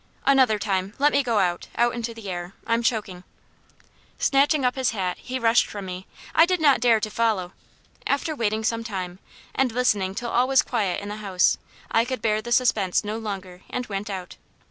"Another time. Let me go out out into the air; I'm choking." Snatching up his hat, he rushed from me. I did not dare to follow. After waiting some time, and listening till all was quiet in the house, I could bear the suspense no longer and went out.